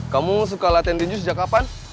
kamu suka latihan tinju sejak kapan